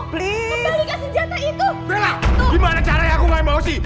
bella gimana caranya aku gak emosi